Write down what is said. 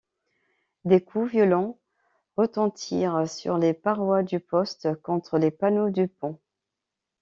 Des coups violents retentirent sur les parois du poste, contre les panneaux du pont.